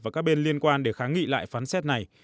và các bên liên quan để kháng nghị lại phán xét này